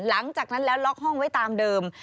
หลังจากนั้นแล้วล็อกห้องไว้ตามเดิม